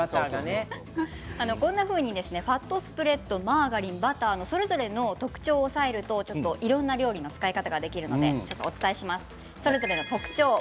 ファットスプレッドマーガリン、バターそれぞれの特徴を押さえるといろんな料理の使い方ができるのでお伝えします。